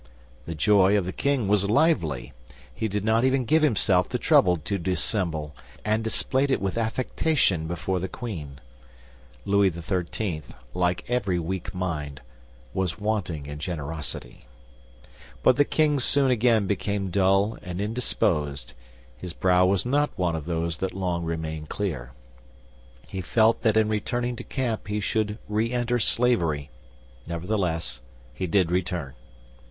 The joy of the king was lively. He did not even give himself the trouble to dissemble, and displayed it with affectation before the queen. Louis XIII., like every weak mind, was wanting in generosity. But the king soon again became dull and indisposed; his brow was not one of those that long remain clear. He felt that in returning to camp he should re enter slavery; nevertheless, he did return.